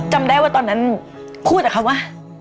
จำได้ว่าตอนนั้นพูดหรือครับว่ะ